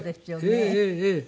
ええええええ。